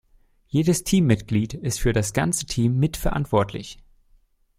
Jedes Teammitglied ist für das ganze Team mitverantwortlich.